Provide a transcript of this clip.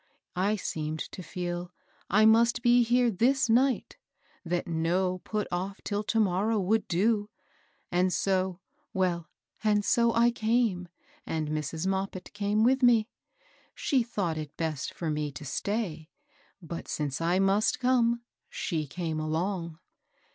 I seemed to feel I must be here this nighty — that no put off till to morrow would do , and so, — well, and so I came, and Mrs. Moppit came with me. She thought it best for me to stay ; but, since I must come, she came along."